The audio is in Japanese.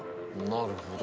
なるほど。